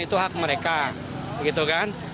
itu hak mereka